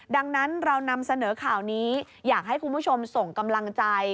ดังนั้นเรานำเสนอข่าวนี้อยากให้คุณผู้ชมส่งกำลังใจ